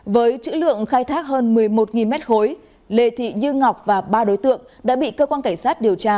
với chữ lượng khai thác hơn một mươi một m ba lê thị như ngọc và ba đối tượng đã bị cơ quan cảnh sát điều tra